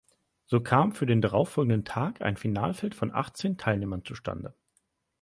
So kam für den darauffolgenden Tag ein Finalfeld von achtzehn Teilnehmern zustande.